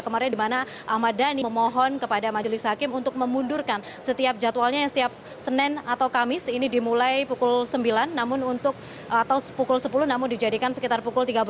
kemarin dimana ahmad dhani memohon kepada majelis hakim untuk memundurkan setiap jadwalnya yang setiap senin atau kamis ini dimulai pukul sembilan namun untuk atau pukul sepuluh namun dijadikan sekitar pukul tiga belas